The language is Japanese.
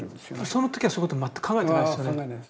その時はそういうこと全く考えてないですよね。